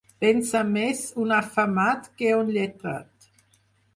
Pensa més un afamat que un lletrat.